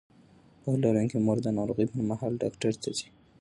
پوهه لرونکې مور د ناروغۍ پر مهال ډاکټر ته ځي.